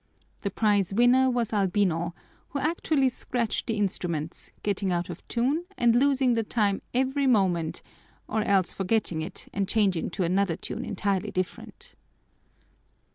The prize winner was Albino, who actually scratched the instruments, getting out of tune and losing the time every moment or else forgetting it and changing to another tune entirely different.